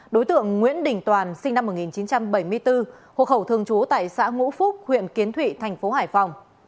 đối tượng nguyễn đình toàn sinh năm một nghìn chín trăm bảy mươi bốn hộ khẩu thường trú tại xã ngũ phúc huyện kiến thụy thành phố hải phòng